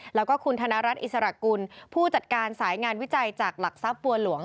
แล้วก็คุณธนรัฐอิสระกุลผู้จัดการสายงานวิจัยจากหลักทรัพย์บัวหลวง